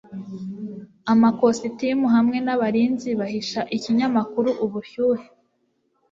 amakositimu hamwe nabarinzi bahisha ikinyamakuru ubushyuhe